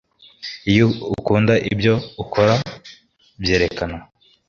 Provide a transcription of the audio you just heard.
Iyo ukunda ibyo ukora byerekana